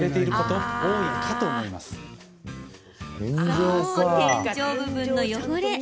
そう、天井部分の汚れ。